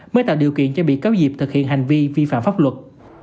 mới tạo điều kiện cho bị cáo diệp thực hiện hành vi vi phạm pháp luật